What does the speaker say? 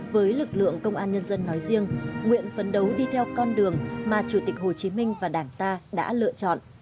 với lực lượng công an nhân dân nói riêng nguyện phấn đấu đi theo con đường mà chủ tịch hồ chí minh và đảng ta đã lựa chọn